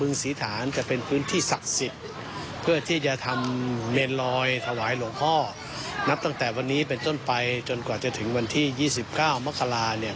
นับตั้งแต่วันนี้เป็นต้นไปจนกว่าจะถึงวันที่๒๙มเนี่ย